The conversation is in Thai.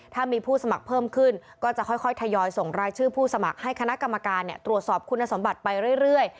ถ้ามีผู้สมัครเพิ่มขึ้นก็จะค่อยทยอยส่งรายชื่อผู้สมัครให้คณะกรรมการตรวจสอบคุณสมบัติไปเรื่อย